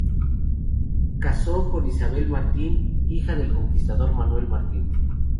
Casó con Isabel Martin, hija del conquistador Manuel Martin.